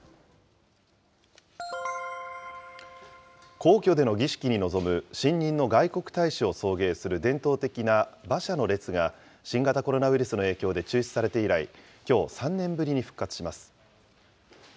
皇居での儀式に臨む、新任の外国大使を送迎する伝統的な馬車の列が、新型コロナウイルスの影響で中止されて以来、きょう３年ぶりに復活します。